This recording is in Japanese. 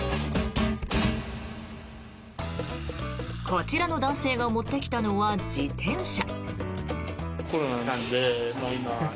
こちらの男性が持ってきたのは自転車。